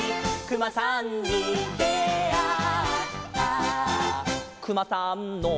「くまさんの」